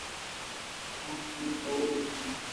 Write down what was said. ته هر کار کولی شی